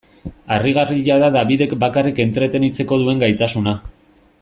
Harrigarria da Dabidek bakarrik entretenitzeko duen gaitasuna.